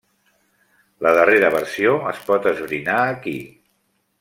La darrera versió es pot esbrinar aquí.